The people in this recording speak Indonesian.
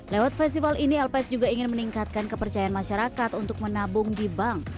lewat festival ini lps juga ingin meningkatkan kepercayaan masyarakat untuk menabung di bank